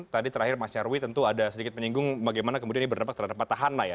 tadi terakhir mas nyarwi tentu ada sedikit menyinggung bagaimana kemudian ini berdampak terhadap petahana ya